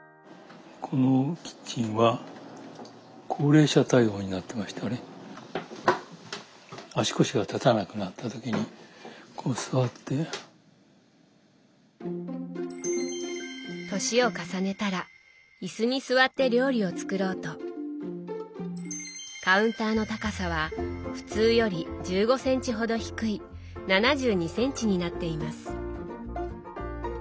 このキッチンは年を重ねたら椅子に座って料理を作ろうとカウンターの高さは普通より１５ｃｍほど低い７２ｃｍになっています。